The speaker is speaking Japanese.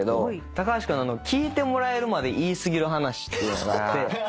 聞いてもらえるまで言い過ぎる話っていうのがあって。